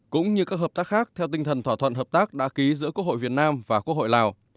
cũng như các hợp tác khác theo tinh thần thỏa thuận hợp tác đã ký giữa quốc hội việt nam và quốc hội lào